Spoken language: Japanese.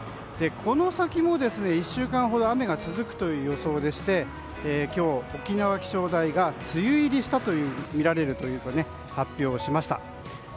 この先も、１週間ほど雨が続くという予想でして今日、沖縄気象台が梅雨入りしたとみられるという発表をしました。